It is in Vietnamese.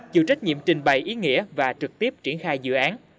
chịu trách nhiệm trình bày ý nghĩa và trực tiếp triển khai dự án